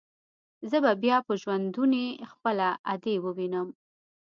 زه به بيا په ژوندوني خپله ادې ووينم.